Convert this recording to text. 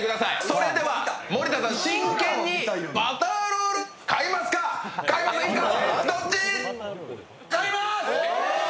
それでは森田さん、真剣にバターロール買いますか、買いませんかどっち？